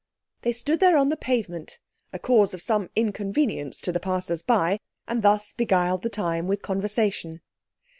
They stood there on the pavement, a cause of some inconvenience to the passersby, and thus beguiled the time with conversation.